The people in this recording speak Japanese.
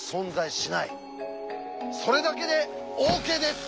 それだけでＯＫです！